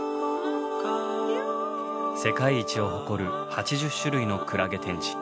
世界一を誇る８０種類のクラゲ展示。